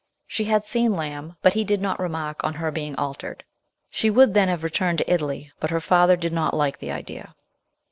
She had seen Lamb, but he did not remark on her being altered. She would then have returned to Italy, but her lather did not like the idea.